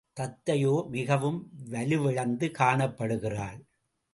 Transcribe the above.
தத்தையோ மிகவும் வலுவிழந்து காணப்படுகிறாள்.